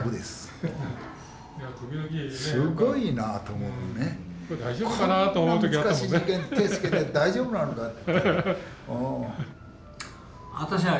こんな難しい事件に手つけて大丈夫なのかって。